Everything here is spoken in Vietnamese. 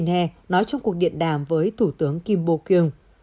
tổng thống mô chí nè nói trong cuộc điện đàm với thủ tướng kim bô kiều